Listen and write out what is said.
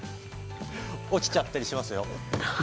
落ちちゃったりしますよね。